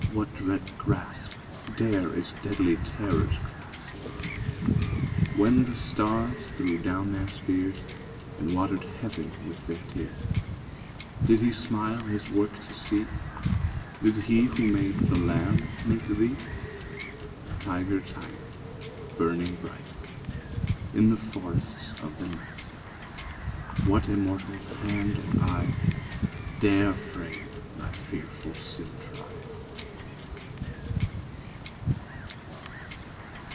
what dread grasp Dare its deadly terrors clasp? When the stars threw down their spears, And water'd heaven with their tears, Did he smile his work to see? Did he who made the Lamb make thee? Tyger! Tyger! burning bright In the forests of the night, What immortal hand or eye Dare frame thy fearful symmetry?